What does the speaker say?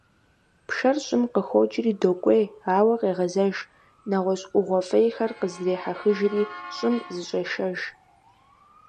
Пшэр щӀым къыхокӀри докӀуей, ауэ къегъэзэж, нэгъуэщӀ Ӏугъуэ фӀейхэр къыздрехьэхыжри, щӀым зыщӀешэж.